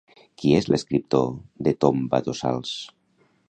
Qui és l'escriptor de Tombatossals?